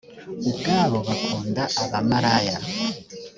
ubwabo bakunda abamaraya.